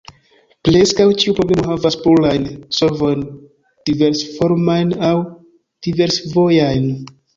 Preskaŭ ĉiu problemo havas plurajn solvojn diversformajn aŭ diversvojajn.